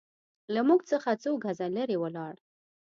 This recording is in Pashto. له موږ څخه څو ګزه لرې ولاړ.